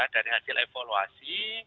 dari hasil evaluasi